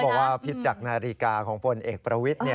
เขาบอกว่าผิดจากนาฬิกาของผลเอกประวิท